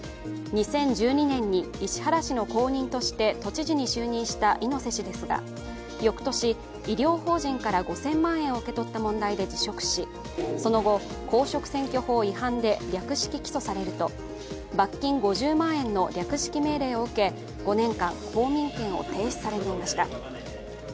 ２０１２年に石原氏の後任として都知事に就任した猪瀬氏ですが翌年、医療法人から５０００万円を受け取った問題で辞職しその後、公職選挙法違反で略式起訴されると、罰金５０万円の略式命令を受け５年間、公民権を停止されていました。